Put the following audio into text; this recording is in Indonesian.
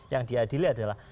yang diadili adalah